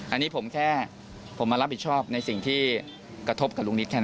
อันนี้ผมแค่ผมมารับผิดชอบในสิ่งที่กระทบกับลุงนิดแค่นั้น